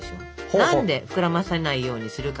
何で膨らませないようにするか？